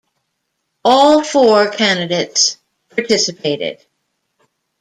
All four candidates participated.